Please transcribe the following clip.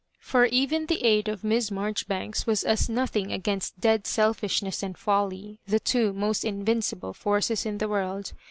Por even the aid of Miss Marjoribanks was as nothing against dead selfishness and folly, the two most iuvincible forces in the world.